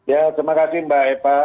ya terima kasih mbak eva